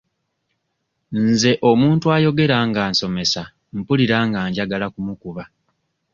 Nze omuntu ayogera nga nsomesa mpulira nga njagala kumukuba.